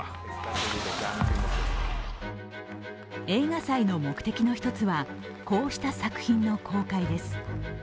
映画祭の目的の一つはこうした作品の公開です。